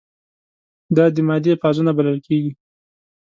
دا د مادې فازونه بلل کیږي.